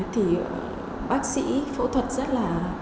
thì bác sĩ phẫu thuật rất là